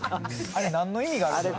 あれなんの意味がある？